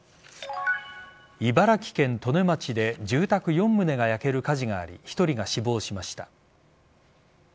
茨城県利根町で住宅４棟が焼ける火事があり１人が死亡しました。